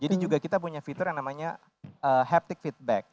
jadi juga kita punya fitur yang namanya haptic feedback